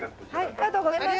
ありがとうございます。